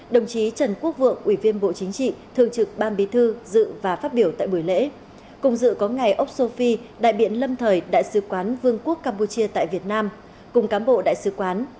đồng chí trần quốc vượng ủy viên bộ chính trị thường trực ban bí thư dự và phát biểu tại buổi lễ cùng dự có ngài oxofi đại biện lâm thời đại sứ quán vương quốc campuchia tại việt nam cùng cám bộ đại sứ quán